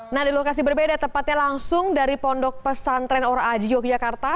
nah di lokasi berbeda tepatnya langsung dari pondok pesantren ora aji yogyakarta